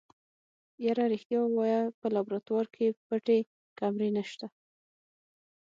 يره رښتيا ووايه په لابراتوار کې پټې کمرې نشته.